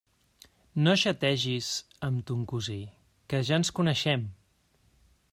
No xategis amb ton cosí, que ja ens coneixem!